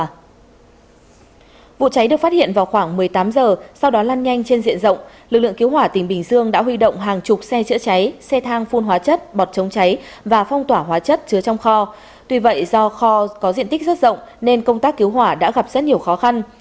vụ cháy được phát hiện vào khoảng một mươi tám giờ sau đó lan nhanh trên diện rộng lực lượng cứu hỏa tỉnh bình dương đã huy động hàng chục xe chữa cháy xe thang phun hóa chất bọt chống cháy và phong tỏa hóa chất chứa trong kho tuy vậy do kho có diện tích rất rộng nên công tác cứu hỏa đã gặp rất nhiều khó khăn